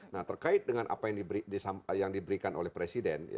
nah terkait dengan apa yang diberikan oleh presiden